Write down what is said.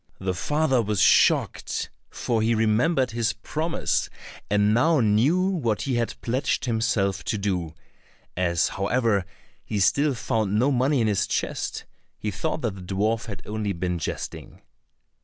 The father was shocked, for he remembered his promise, and now knew what he had pledged himself to do; as however, he still found no money in his chest, he thought the dwarf had only been jesting.